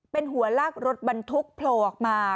เป็นหัวลากรถบรรทุกโผล่ออกมา